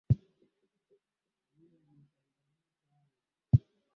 Eneo lililohuka katika Usultani wa Zanzibar